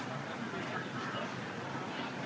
สวัสดีครับ